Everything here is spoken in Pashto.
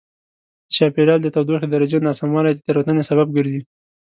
د چاپېریال د تودوخې درجې ناسموالی د تېروتنې سبب ګرځي.